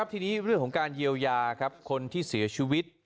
ทีนี้เรื่องของการเยียวยาคนที่เสียชีวิต